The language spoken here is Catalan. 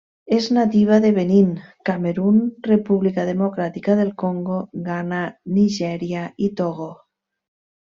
És nativa de Benín, Camerun, República democràtica del Congo, Ghana, Nigèria i Togo.